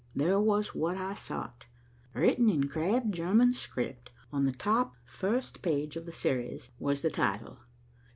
There was what I sought. Written in crabbed German script, on the top first page of the series, was the title.